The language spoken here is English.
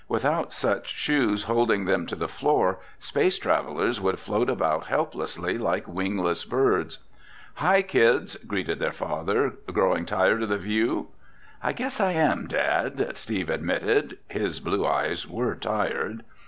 Without such shoes holding them to the floor, space travelers would float about helplessly like wingless birds. "Hi, kids," greeted their father. "Growing tired of the view?" "I guess I am, Dad," Steve admitted. His blue eyes were tired.